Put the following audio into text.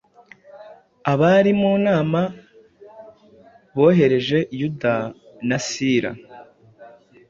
Abari mu nama bohereje Yuda na Sila